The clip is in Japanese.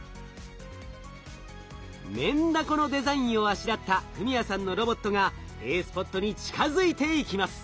メンダコのデザインをあしらった史哉さんのロボットがＡスポットに近づいていきます。